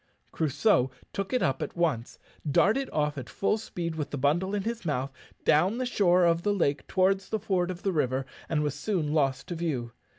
Crusoe took it up at once, darted off at full speed with the bundle in his mouth, down the shore of the lake towards the ford of the river, and was soon lost to view.